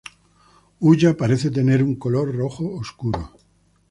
Huya parece tener un color rojo oscuro.